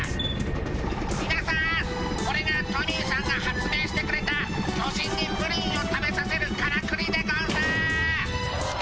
みなさんこれがトミーさんが発明してくれた巨人にプリンを食べさせるカラクリでゴンス！」。